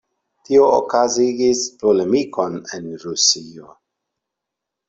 Tio okazigis polemikon en Rusio.